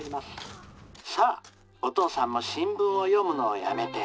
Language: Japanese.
・「さあお父さんも新聞を読むのをやめて」。